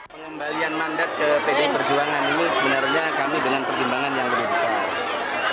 pengembalian mandat ke pdi perjuangan ini sebenarnya kami dengan pertimbangan yang lebih besar